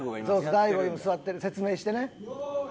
大悟が今座ってる説明してね。